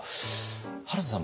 原田さん